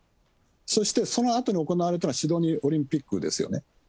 そしてそのあとに行われたのがシドニーオリンピックですよね。